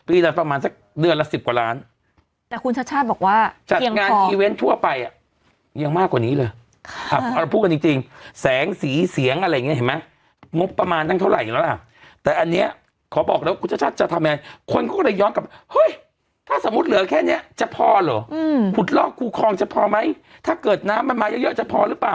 เออมันก็เรียกอะไรนะที่เธอชอบพูดมันแล้วแต่แบบความความเป็นไปได้หรือเปล่า